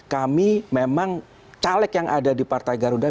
kami memang caleg yang ada di partai garuda